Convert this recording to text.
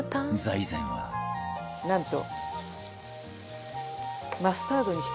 なんと。